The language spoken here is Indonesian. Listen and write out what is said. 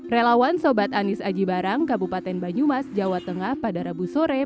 relawan sobat anis aji barang kabupaten banyumas jawa tengah pada rabu sore